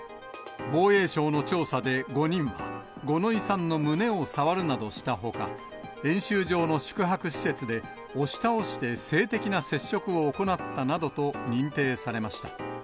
防衛省の調査で５人は、五ノ井さんの胸を触るなどしたほか、演習所の宿泊施設で押し倒して性的な接触を行ったなどと認定されました。